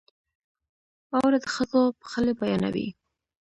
اوړه د ښځو پخلی بیانوي